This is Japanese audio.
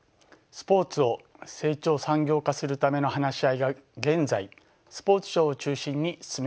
スポーツを成長産業化するための話し合いが現在スポーツ庁を中心に進められています。